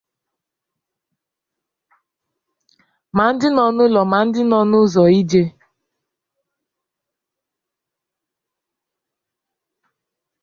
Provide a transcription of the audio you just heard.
ma ndị nọ n'ụlọ ma ndị nọ n'ụzọ ijè